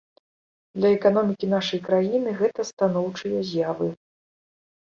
Для эканомікі нашай краіны гэта станоўчыя з'явы.